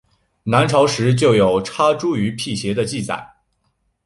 南朝时就有插茱萸辟邪的记载。